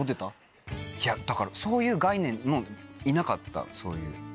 いやだからそういう概念もういなかったそういう。